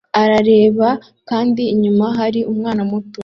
arareba kandi inyuma hari umwana muto